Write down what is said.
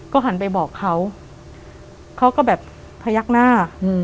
หันไปบอกเขาเขาก็แบบพยักหน้า